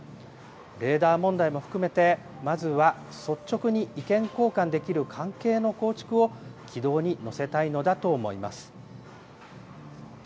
レーダー問題も含めて、まずは率直に意見交換できる関係の構築を軌道に乗せたいのだと思います。